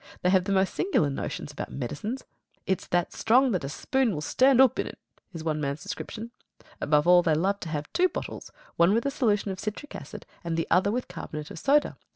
They have the most singular notions about medicines. "It's that strong that a spoon will stand oop in't!" is one man's description. Above all, they love to have two bottles, one with a solution of citric acid, and the other with carbonate of soda.